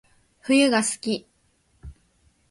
冬が好き